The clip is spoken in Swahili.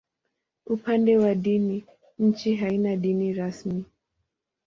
Upande wa dini, nchi haina dini rasmi.